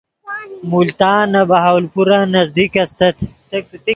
ملتان نے بہاولپورن نزدیک استت